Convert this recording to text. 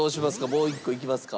もう一個いきますか？